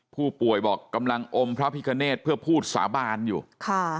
ผู้ป่วยบอกกำลังอมพระพิคเนธเพื่อพูดสาบานอยู่ค่ะ